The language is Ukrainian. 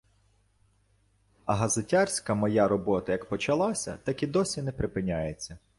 А газетярська моя робота як почалася, так і досі не припиняється.